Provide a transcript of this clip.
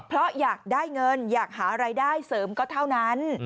เพราะอยากได้เงินอยากหารายได้เสริมก็เท่านั้น